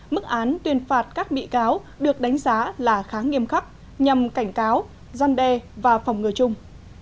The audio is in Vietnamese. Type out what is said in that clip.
mức án tuyên phạt các bị cáo được đánh giá là khá nghiêm khắc nhằm cảnh cáo gian đe và phòng ngừa chung